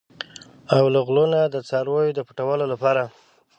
او له غلو نه د څارویو د پټولو لپاره.